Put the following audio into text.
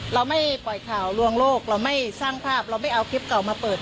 เราไม่ปล่อยข่าวลวงโลกเราไม่สร้างภาพเราไม่เอาคลิปเก่ามาเปิด